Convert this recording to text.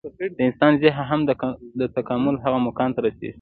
د انسان ذهن هم د تکامل هغه مقام ته رسېږي.